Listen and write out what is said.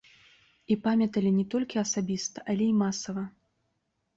І памяталі не толькі асабіста, але і масава.